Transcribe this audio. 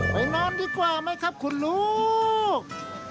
นอนดีกว่าไหมครับคุณลูก